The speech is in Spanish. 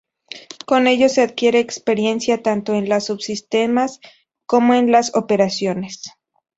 Con ello se adquiere experiencia tanto en los subsistemas como en las operaciones.